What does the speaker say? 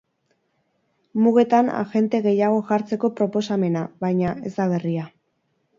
Mugetan agente gehiago jartzeko proposamena, baina, ez da berria.